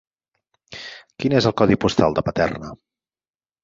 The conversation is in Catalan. Quin és el codi postal de Paterna?